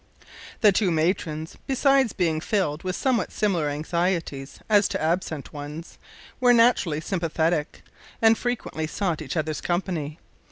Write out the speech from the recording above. The two matrons, besides being filled with somewhat similar anxieties as to absent ones, were naturally sympathetic, and frequently sought each other's company.